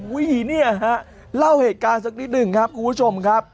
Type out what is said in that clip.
เนี่ยฮะเล่าเหตุการณ์สักนิดหนึ่งครับคุณผู้ชมครับ